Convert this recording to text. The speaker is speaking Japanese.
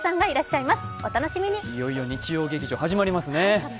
いよいよ、日曜劇場始まりますね。